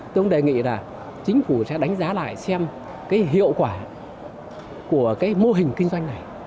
tôi đề nghị là chính phủ sẽ đánh giá lại xem hiệu quả của mô hình kinh doanh này